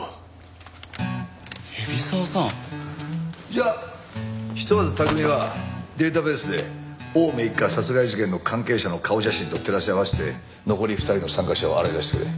じゃあひとまず拓海はデータベースで青梅一家殺害事件の関係者の顔写真と照らし合わせて残り２人の参加者を洗い出してくれ。